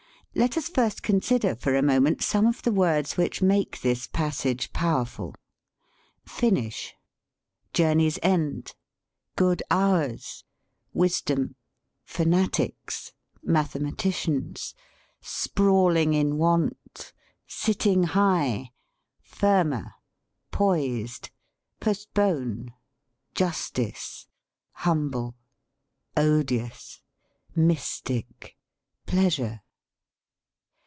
Let us first consider for a moment some of the words which make this passage powerful: finish, journey' s end, good hours, wisdom , fanatics, mathematicians, sprawl ing in want, sitting high, firmer, poised, post pone, justice, humble, odious, mystic, pleas ure.